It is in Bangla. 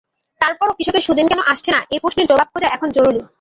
তারপরও কৃষকের সুদিন কেন আসছে না—এই প্রশ্নের জবাব খোঁজা এখন জরুরি।